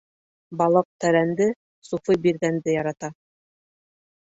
Балыҡ тәрәнде, суфый биргәнде ярата.